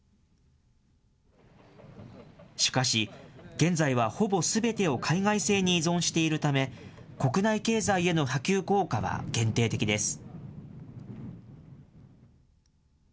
しかし、現在はほぼすべてを海外製に依存しているため、国内経済への波及効果は限定的です。